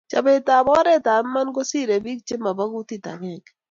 Chobet ab oret ab mat kosirei pik che mobo kutit agenge